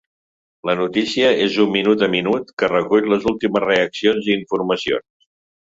La notícia és un minut a minut que recull les últimes reaccions i informacions.